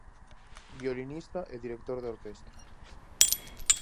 Violinista e director de orquestra.